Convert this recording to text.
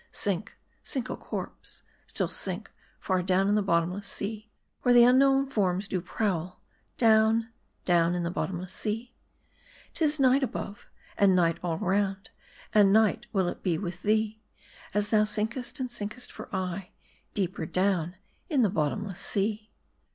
Sink, sink, oh corpse, still sink. Far down in the bottomless sea, Where the unknown forms do prowl, Down, down in the bottomless sea. 'Tis night above, and night all round, And night will it be with thee ; As thou sinkest, and sinkest for aye, Deeper down in the bottomless sea.